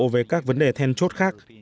về các vấn đề then chốt khác